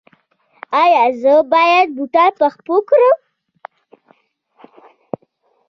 ایا زه باید بوټان په پښو کړم؟